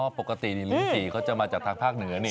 ปกติลิ้นจี่เขาจะมาจากทางภาคเหนือนี่